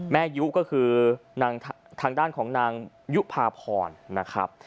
ยุก็คือทางด้านของนางยุภาพรนะครับ